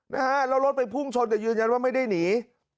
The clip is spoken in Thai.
นะฮะแล้วรถไปพุ่งชนแต่ยืนยันว่าไม่ได้หนี